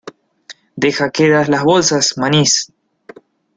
deja quedas las bolsas, manís.